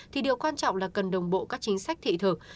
thì điều quan trọng là cần đồng bộ các chính sách thị thực